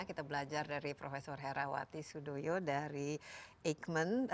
kita belajar dari prof hera wati sudoyo dari eijkman